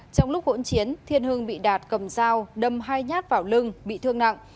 trong lúc hỗn chiến thiên hưng bị đạt cầm dao đâm hai nhát vào lưng bị thương nặng